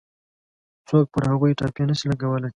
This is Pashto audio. څوک پر هغوی ټاپې نه شي لګولای.